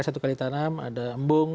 satu kali tanam ada embung